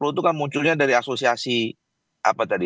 sepuluh itu kan munculnya dari asosiasi apa tadi